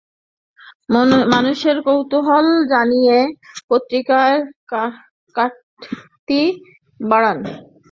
মানুষের কৌতূহল জাগিয়ে পত্রিকার কাটতি বাড়ান।